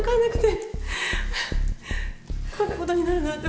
こんなことになるなんて